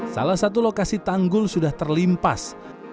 salah satu lokasi tanggul sudah terlimpas